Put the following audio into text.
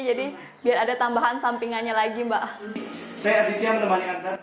jadi biar ada tambahan sampingannya lagi mbak